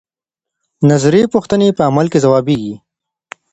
نظري پوښتنې په عمل کې ځوابيږي.